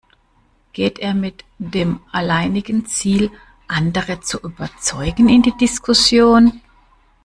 Geht er mit dem alleinigen Ziel, andere zu überzeugen, in die Diskussion?